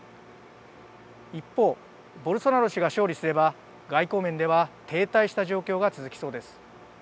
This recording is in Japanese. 一方、ボルソナロ氏が勝利すれば外交面では停滞した状況が続きそうです。